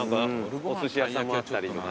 おすし屋さんもあったりとかね。